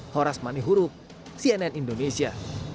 horas manihuru cnn indonesia